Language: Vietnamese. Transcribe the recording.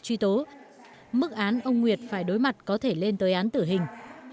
truy tố mức án ông nguyệt phải đối mặt có thể lên tới án tử hình